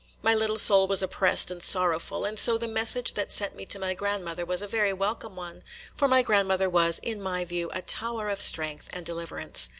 My little soul was oppressed and sorrowful, and so the message that sent me to my grandmother was a very welcome one, for my grandmother was, in my view, a tower of strength and deliverance.